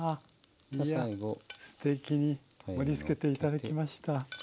いやすてきに盛りつけて頂きました。